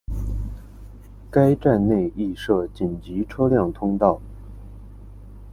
该站内亦设紧急车辆通道。